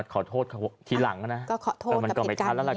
ก็ขอโทษกับเหตุการณ์นี้นะครับ